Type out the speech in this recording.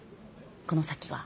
この先は。